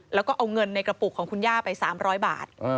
แล้วก็เอาเงินในกระปุกของคุณย่าไป๓๐๐บาท